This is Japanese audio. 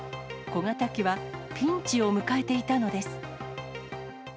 小型機はピンチを迎えていたのです。